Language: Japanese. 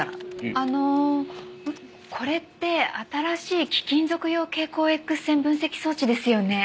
あのこれって新しい貴金属用蛍光Ｘ線分析装置ですよね。